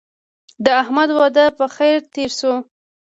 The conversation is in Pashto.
د احمد واده په خیر تېر شو.